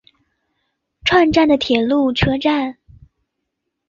串站的铁路车站。